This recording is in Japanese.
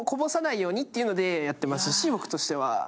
っていうのでやってますし僕としては。